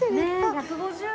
１７０円。